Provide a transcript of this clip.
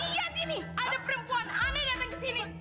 lihat ini ada perempuan aneh datang ke sini